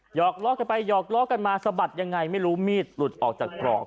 อกล้อกันไปหยอกล้อกันมาสะบัดยังไงไม่รู้มีดหลุดออกจากปลอก